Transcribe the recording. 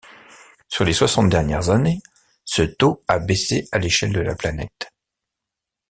Sur les soixante dernières années, ce taux a baissé à l'échelle de la planète.